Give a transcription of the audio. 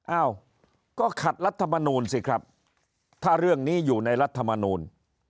อ้าวก็ขัดรัฐมนูลสิครับถ้าเรื่องนี้อยู่ในรัฐมนูล